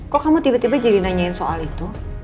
kok kamu tiba tiba jadi nanyain soal itu